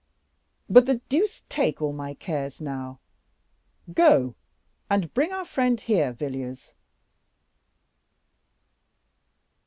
But the deuce take all my cares now! Go, and bring our friend here, Villiers."